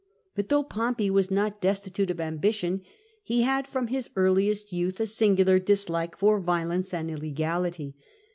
But though Pompey was not destitute of ambition, he had from his earliest youth a singular dislike for violence and illegality.